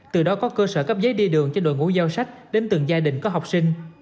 từ đó có cơ sở cấp giấy đi đường cho đội ngũ giao sách đến từng gia đình có học sinh